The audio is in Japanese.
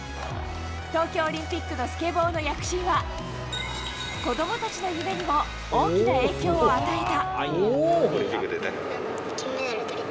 東京オリンピックのスケボーの躍進は子供たちの夢にも大きな影響を与えた。